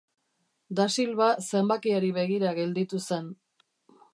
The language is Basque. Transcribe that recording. Dasilva zenbakiari begira gelditu zen.